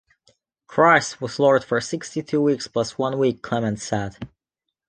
Christ was Lord for sixty-two weeks plus one week, Clement said.